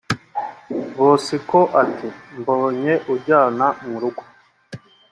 Bosiko ati “Mbonye unjyana mu rugo